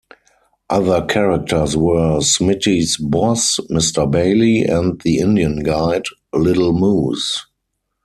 Other characters were Smitty's boss, Mr. Bailey, and the Indian guide, Little Moose.